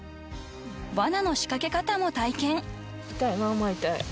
［わなの仕掛け方も体験］